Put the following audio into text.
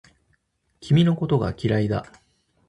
君のことが嫌いだ